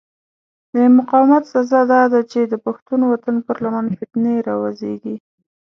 د مقاومت سزا داده چې د پښتون وطن پر لمن فتنې را وزېږي.